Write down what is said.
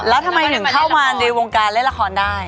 แล้วทำไมถึงเข้ามาในวงการเล่นละครได้